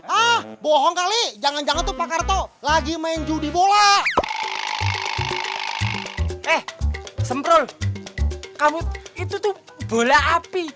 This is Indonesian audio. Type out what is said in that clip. ah bohong kali jangan jangan tuh pak karto lagi main judi bola eh semprol kamu itu tuh bola api